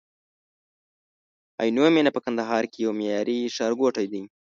عینومېنه په کندهار کي یو معیاري ښارګوټی دی